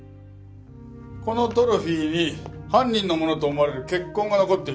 このトロフィーに犯人のものと思われる血痕が残っていた。